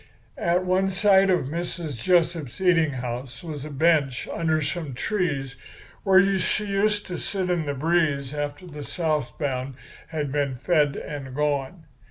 "At one side of Mrs. Jessup's eating house was a bench under some trees where she used to sit in the breeze after the south bound had been fed and gone.